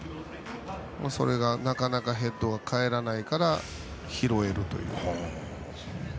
それがなかなかヘッドが返らないから拾えるという。